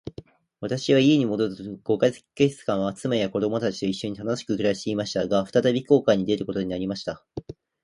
私は家に戻ると五ヵ月間は、妻や子供たちと一しょに楽しく暮していました。が、再び航海に出ることになりました。